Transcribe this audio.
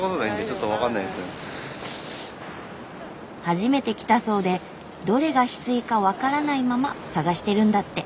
初めて来たそうでどれがヒスイか分からないまま探してるんだって。